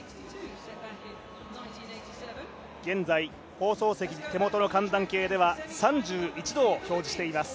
現在、放送席、手元の寒暖計では３１度を表示しています。